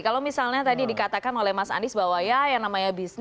kalau misalnya tadi dikatakan oleh mas anies bahwa ya yang namanya bisnis